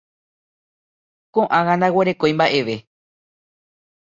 Ko'ág̃a ndaguerekovéi mba'eve.